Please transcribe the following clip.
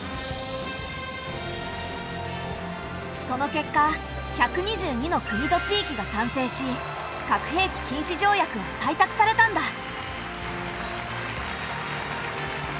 その結果１２２の国と地域が賛成し核兵器禁止条約は採択されたんだ。